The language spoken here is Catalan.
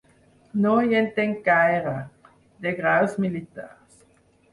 No hi entenc gaire, de graus militars.